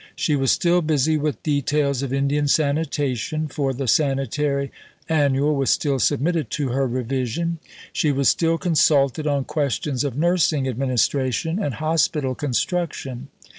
She was still busy with details of Indian sanitation, for the Sanitary Annual was still submitted to her revision. She was still consulted on questions of nursing administration and hospital construction.